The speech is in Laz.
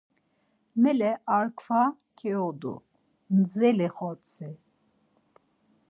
Mele, ar kva keodu ndzeli xortsi.